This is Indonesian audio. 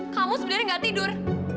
kamu sebenarnya gak tidur